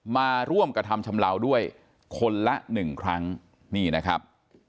มาร่วมกระทำชำเลาด้วยคนละหนึ่งครั้งนี่นะครับ